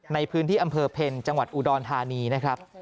ในพื้นที่อำเภอเพ็ญจังหวัดอุดรธานีนะครับ